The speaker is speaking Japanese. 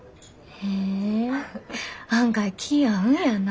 へえ案外気ぃ合うんやなぁ。